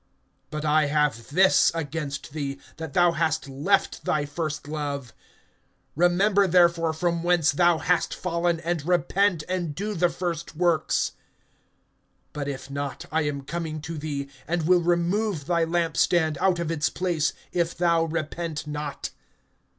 (4)But I have this against thee, that thou hast left thy first love. (5)Remember therefore from whence thou hast fallen, and repent, and do the first works; but if not, I am coming to thee, and will remove thy lamp stand out of its place, if thou repent not.